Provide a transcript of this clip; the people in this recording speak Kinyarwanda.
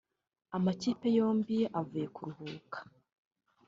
Amakipe yombi avuye kuruhuka